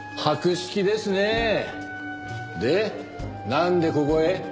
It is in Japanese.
なんでここへ？